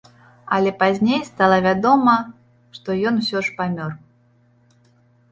Але пазней стала вядома, што ён усё ж памёр.